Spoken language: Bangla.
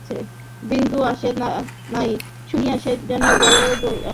বিন্দু আসে নাই শুনিয়া সে যেন বড় দমিয়া গেল।